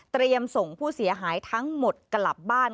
ส่งผู้เสียหายทั้งหมดกลับบ้าน